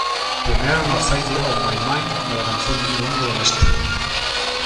Premiaron a"Friday on My Mind" como la canción número una en la lista.